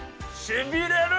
しびれる！